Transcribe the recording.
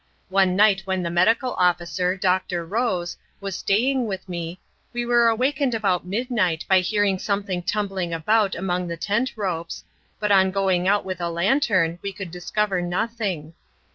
One night when the medical officer; Dr. Rose, was staying with me, we were awakened about midnight by hearing something tumbling about among the tent ropes, but on going out with a lantern we could discover nothing.